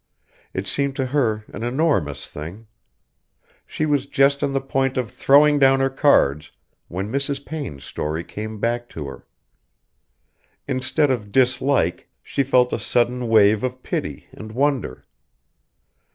It seemed to her an enormous thing. She was just on the point of throwing down her cards when Mrs. Payne's story came back to her. Instead of dislike she felt a sudden wave of pity and wonder.